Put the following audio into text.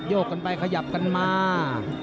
กกันไปขยับกันมา